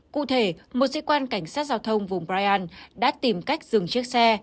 cụ thể một dịch quan cảnh sát giao thông vùng bryansk đã tìm cách dừng chiếc xe